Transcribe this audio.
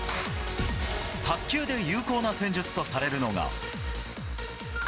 卓球で有効な戦術とされるのが。